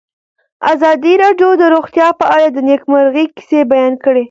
ازادي راډیو د روغتیا په اړه د نېکمرغۍ کیسې بیان کړې.